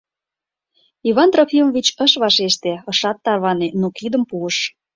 Иван Трофимович ыш вашеште, ышат тарване, но кидым пуыш.